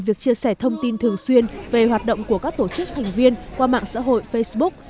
việc chia sẻ thông tin thường xuyên về hoạt động của các tổ chức thành viên qua mạng xã hội facebook